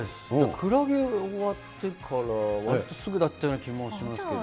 海月、終わってから、終わってすぐだったような気もしますけど。